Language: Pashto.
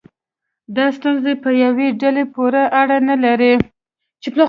دا ستونزې په یوې ډلې پورې اړه نه لري.